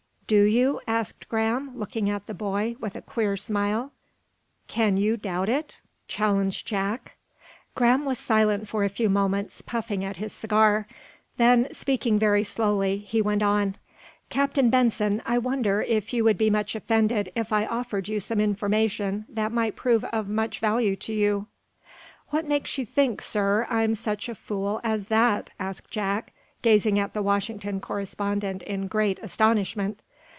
"Do you?" asked Graham, looking at the boy, with a queer smile. "Can you doubt it?" challenged Jack. Graham was silent for a few moments, puffing at his cigar. Then, speaking very slowly, he went on: "Captain Benson, I wonder if you would be much offended if I offered you some information that might prove of much value to you?" "What makes you think, sir, I'm such a fool as that?" asked Jack, gazing at the Washington correspondent in great astonishment.